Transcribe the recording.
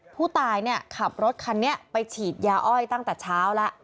ผู้ตายเนี่ยขับรถคันนี้ไปฉีดยาอ้อยตั้งแต่เช้าแล้ว